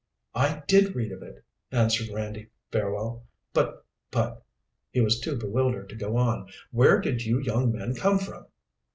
"I did read of it," answered Randy Fairwell. "But but " He was too bewildered to go on. "Where did you young men come from?"